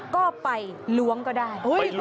ก็ไปล้วงก็ได้